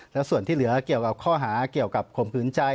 แล้วส่วนที่เหลือเกี่ยวกับข้อหาเกี่ยวกับข่มขืนใจ